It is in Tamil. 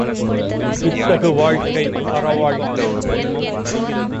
இத்தகு வாழ்க்கை அறவாழ்க்கை.